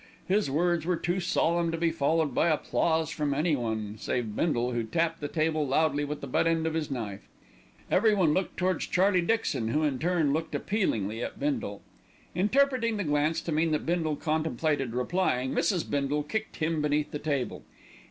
His words were too solemn to be followed by applause from anyone save Bindle, who tapped the table loudly with the butt end of his knife. Everyone looked towards Charlie Dixon, who in turn looked appealingly at Bindle. Interpreting the glance to mean that Bindle contemplated replying, Mrs. Bindle kicked him beneath the table.